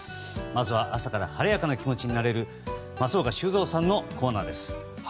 まずは朝から晴れやかな気持ちになれる松岡修造さんのコーナーです。